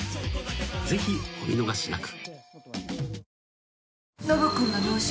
［ぜひお見逃しなく］